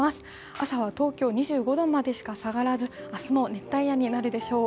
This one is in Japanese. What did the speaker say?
朝は東京、２５度までしか下がらず明日も熱帯夜になるでしょう。